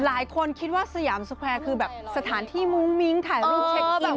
หลายคนคิดว่าสยามสแควร์คือแบบสถานที่มุ้งมิ้งถ่ายรูปเช็คคิว